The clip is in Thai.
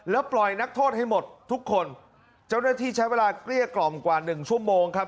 แล้วปล่อยนักโทษให้หมดทุกคนเจ้าหน้าที่ใช้เวลาเกลี้ยกล่อมกว่าหนึ่งชั่วโมงครับ